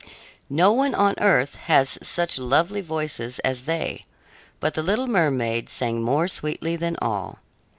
No one on earth has such lovely voices as they, but the little mermaid sang more sweetly than all.